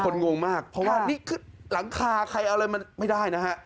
งงมากเพราะว่านี่คือหลังคาใครเอาอะไรมันไม่ได้นะฮะ